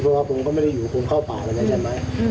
เพราะว่าผมก็ไม่ได้อยู่คงเข้าป่าอะไรใช่ไหม